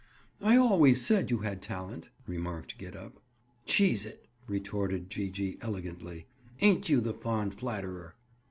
"I always said you had talent," remarked Gid up. "Cheese it," retorted Gee gee elegantly. "Ain't you the fond flatterer!"